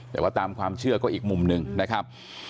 แต่ว่าตามความเชื่อก็อีกมุมหนึ่งนะครับ